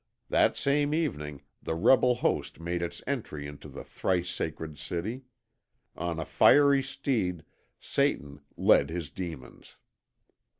That same evening the rebel host made its entry into the thrice sacred city. On a fiery steed Satan led his demons.